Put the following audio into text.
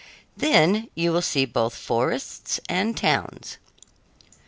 Then you will see both forests and towns."